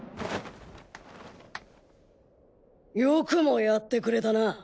よくもやってくれたな。